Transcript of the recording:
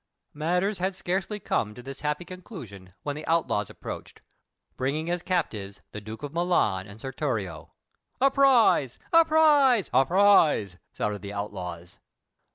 Matters had scarcely come to this happy conclusion, when the outlaws approached, bringing as captives the Duke of Milan and Sir Thurio. "A prize! a prize! a prize!" shouted the outlaws.